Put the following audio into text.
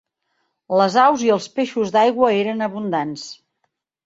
Les aus i els peixos d'aigua eren abundants.